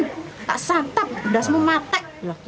tak santap dasmu matek